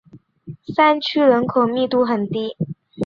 山区人口密度很低。